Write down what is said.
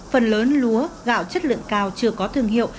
phần lớn lúa gạo chất lượng cao chưa có thương hiệu